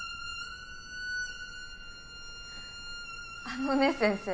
あのね先生。